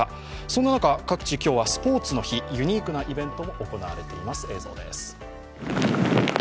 そんな中、各地、今日はスポーツの日、ユニークなイベントも行われています。